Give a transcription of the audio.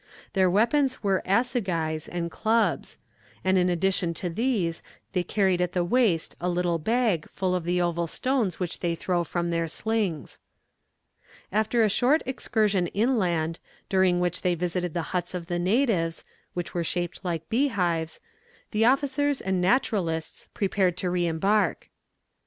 Their weapons were assegais and clubs; and in addition to these they carried at the waist a little bag, full of the oval stones which they throw from their slings. [Illustration: Typical native of New Holland. (Fac simile of early engraving.)] After a short excursion inland, during which they visited the huts of the natives, which were shaped like beehives, the officers and naturalists prepared to re embark.